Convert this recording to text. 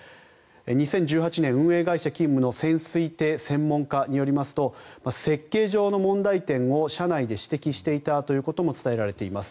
２０１８年、運営会社勤務の潜水艇専門家によりますと設計上の問題点を社内で指摘していたということも伝えられています。